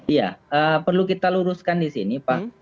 iya perlu kita luruskan di sini pak